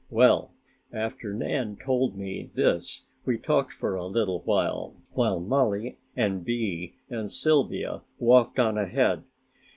Well, after Nan told me this we talked for a little while, while Mollie and Bee and Sylvia walked on ahead.